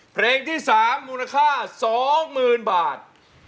เพลงที่๓มูลค่า๒๐๐๐๐บาท